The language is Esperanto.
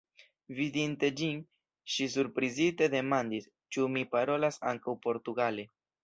Vidinte ĝin, ŝi surprizite demandis, ĉu mi parolas ankaŭ portugale.